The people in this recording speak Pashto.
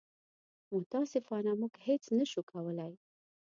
متاسفانه موږ هېڅ نه شو کولی.